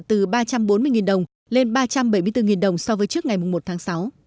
từ ba trăm bốn mươi đồng lên ba trăm bảy mươi bốn đồng so với trước ngày một tháng sáu